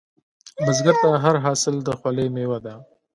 بزګر ته هر حاصل د خولې میوه ده